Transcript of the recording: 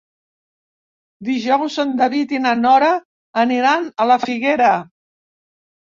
Dijous en David i na Nora aniran a la Figuera.